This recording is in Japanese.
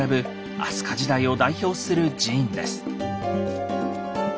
飛鳥時代を代表する寺院です。